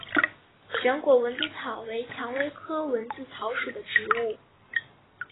旋果蚊子草为蔷薇科蚊子草属的植物。